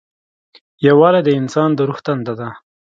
یووالی د انسان د روح تنده ده.